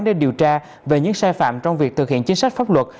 để điều tra về những sai phạm trong việc thực hiện chính sách pháp luật